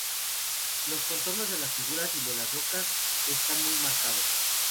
Los contornos de las figuras y de las rocas están muy marcados.